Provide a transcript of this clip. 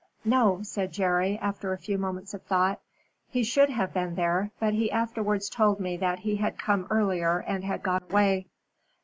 "No," said Jerry, after a few moments of thought. "He should have been there, but he afterwards told me that he had come earlier and had gone away."